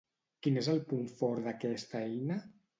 Quin és el punt fort d'aquesta eina?